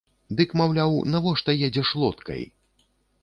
Дык, маўляў, навошта едзеш лодкай?